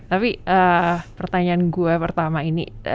tapi pertanyaan gue pertama ini